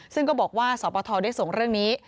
ซึ่งก็บอกว่าสปทได้ส่งเรื่องนี้